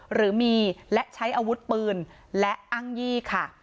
หรือมีและใช้อาวุธปืนและอ้างยี่ค่ะ